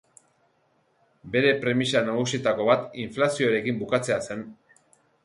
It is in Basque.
Bere premisa nagusietako bat inflazioarekin bukatzea zen.